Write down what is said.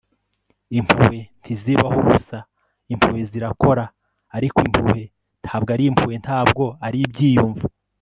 impuhwe ntizibaho gusa. impuhwe zirakora, ariko impuhwe ntabwo ari impuhwe. ntabwo ari ibyiyumvo